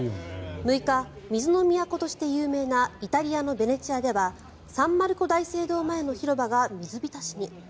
６日、水の都として有名なイタリアのベネチアではサンマルコ大聖堂前の広場が水浸しに。